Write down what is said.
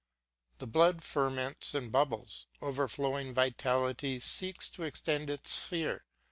The blood ferments and bubbles; overflowing vitality seeks to extend its sphere.